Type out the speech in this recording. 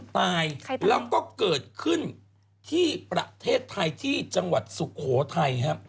ตายแล้วก็เกิดขึ้นที่ประเทศไทยที่จังหวัดสุโขทัยครับ